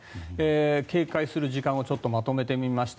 警戒する時間をまとめてみました。